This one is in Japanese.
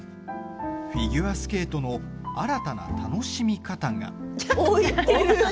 フィギュアスケートの新たな楽しみ方が。